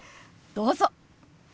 どうぞ！